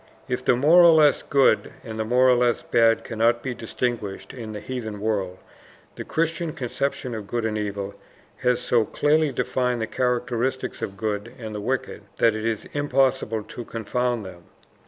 If the more or less good, and the more or less bad cannot be distinguished in the heathen world, the Christian conception of good and evil has so clearly defined the characteristics of the good and the wicked, that it is impossible to confound them.